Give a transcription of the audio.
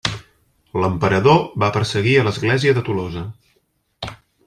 L'emperador va perseguir a l'església de Tolosa.